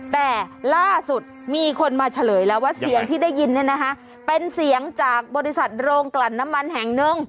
แต่ล่าสุดมีคนมาเฉลยแล้วว่าเสียงที่ได้ยินเนี่ยนะคะเป็นเสียงจากบริษัทโรงกลั่นน้ำมันแห่งหนึ่ง